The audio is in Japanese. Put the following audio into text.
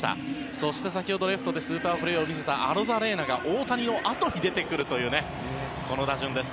そして、先ほどレフトでスーパープレーを見せたアロザレーナが大谷のあとに出てくるというこの打順です。